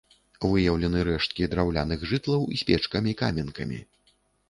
Выяўлены рэшткі драўляных жытлаў з печкамі-каменкамі.